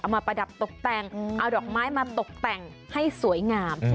มาประดับตกแต่งเอาดอกไม้มาตกแต่งให้สวยงาม